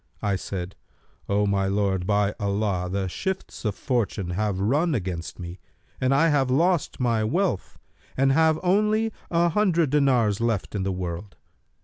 I said, 'O my lord, by Allah, the shifts of fortune have run against me and I have lost my wealth and have only an hundred dinars left in the world.'